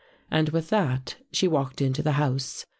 And with that, she walked into the house.